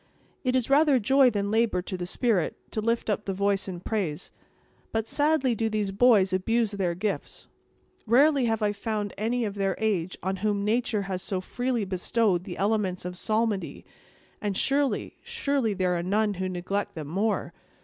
"It is rather joy than labor to the spirit, to lift up the voice in praise; but sadly do these boys abuse their gifts. Rarely have I found any of their age, on whom nature has so freely bestowed the elements of psalmody; and surely, surely, there are none who neglect them more.